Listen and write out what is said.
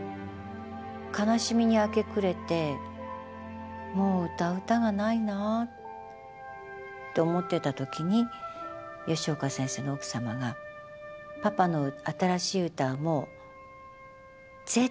悲しみに明け暮れて「もう歌う歌がないな」って思ってた時に吉岡先生の奥様が「パパの新しい歌はもう絶対に二度と生まれません。